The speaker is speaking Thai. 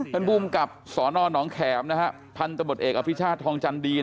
ท่านบุญกับสนนแขมท่านตำรวจเอกอภิชาททองจันทร์ดี